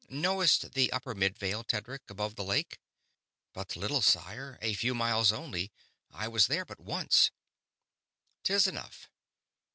Knowst the Upper Midvale, Tedric, above the lake?" "But little, sire; a few miles only. I was there but once." "'Tis enough.